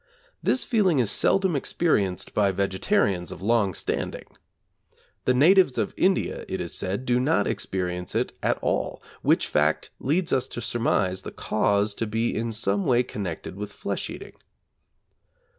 This feeling is seldom experienced by vegetarians of long standing. The natives of India, it is said, do not experience it at all, which fact leads us to surmise the cause to be in some way connected with flesh eating.